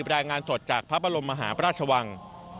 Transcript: รายงานสดจากพระบรมมหาพระราชวัง